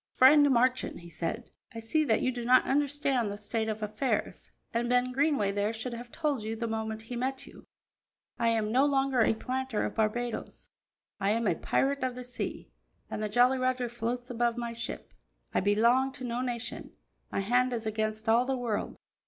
"Friend Marchand," he said, "I see that you do not understand the state of affairs, and Ben Greenway there should have told you the moment he met you. I am no longer a planter of Barbadoes; I am a pirate of the sea, and the Jolly Roger floats above my ship. I belong to no nation; my hand is against all the world.